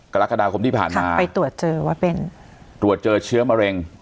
กรกฎาคมที่ผ่านมาไปตรวจเจอว่าเป็นตรวจเจอเชื้อมะเร็ง